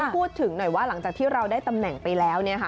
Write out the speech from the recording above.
พูดถึงหน่อยว่าหลังจากที่เราได้ตำแหน่งไปแล้ว